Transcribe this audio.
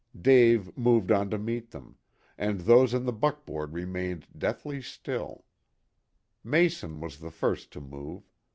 Dave moved on to meet them, and those in the buckboard remained deathly still. Mason was the first to move.